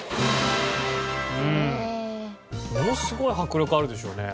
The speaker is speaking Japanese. ものすごい迫力あるでしょうね。